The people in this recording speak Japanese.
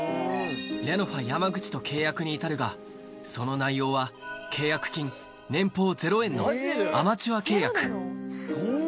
レノファ山口と契約に至るが、その内容は契約金、年俸ゼロ円のアマチュア契約。